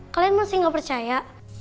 kalian masih gak percaya